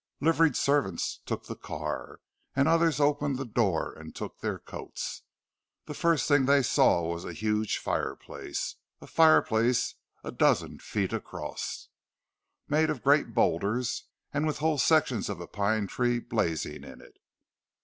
Liveried servants took the car, and others opened the door and took their coats. The first thing they saw was a huge fireplace, a fireplace a dozen feet across, made of great boulders, and with whole sections of a pine tree blazing in it.